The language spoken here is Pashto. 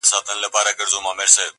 دوهمه فضا يې خپل افغاني ارزښتونه دي